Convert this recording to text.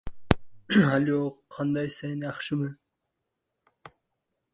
Joylarda umaviylar xonadonining vakillari va yaqinlari qirib tashlanadi.